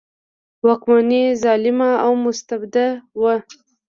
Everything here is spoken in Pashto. واکمني ظالمه او مستبده وه.